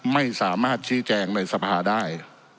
ไม่สามารถชี้แจงในสภาได้